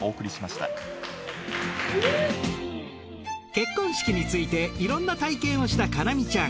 結婚式についていろんな体験をした叶望ちゃん。